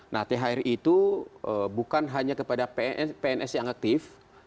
nah thr itu bukan hanya kepada pns yang aktif